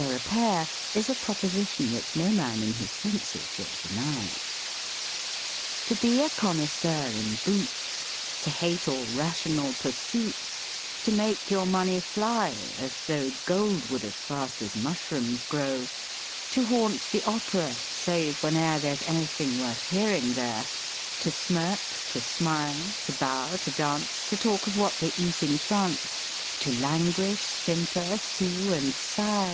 are a pair, is a proposition which no man in his senses will deny." " To be a connoisseur in boots, To hate all rational pursuits, To make your money fly, as though Gold would as fast as mushrooms grow ; To haunt the Opera, save whene'er There's anything worth hearing there; To smirk, to smile, to bow, to dance, To talk of what they eat in France, To languish, simper, sue, and sigh.